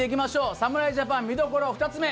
侍ジャパン、見どころ２つ目。